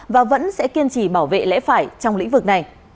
và vẫn sẽ kiên trì bảo vệ lẽ phải trong lĩnh vực này